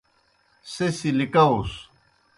سہ سی لِکاؤس۔